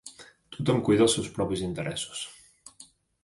Tothom cuida els seus propis interessos.